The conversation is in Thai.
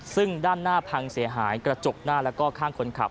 ซึ่งด้านหน้าพังเสียหายกระจกหน้าแล้วก็ข้างคนขับ